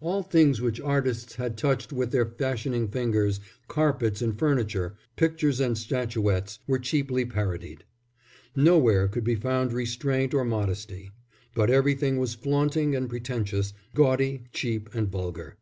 All things which artists had touched with their fashioning fingers, carpets, and furniture, pictures and statuettes, were cheaply parodied. Nowhere could be found restraint or modesty, but everything was flaunting and pretentious, gaudy, cheap and vulgar.